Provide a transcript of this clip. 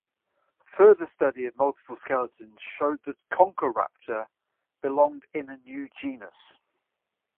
Further study of multiple skeletons showed that "Conchoraptor" belonged in a new genus.